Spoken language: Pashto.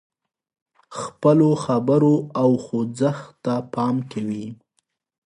خپلو خبرو او خوځښت ته پام کوي.